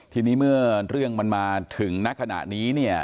ทีนี้เมื่อเรื่องมันมาถึงณขณะนี้เนี่ย